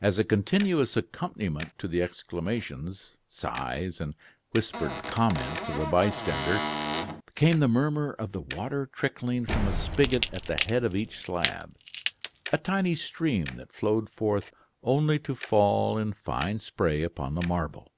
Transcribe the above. As a continuous accompaniment to the exclamations, sighs, and whispered comments of the bystanders came the murmur of the water trickling from a spigot at the head of each slab; a tiny stream that flowed forth only to fall in fine spray upon the marble.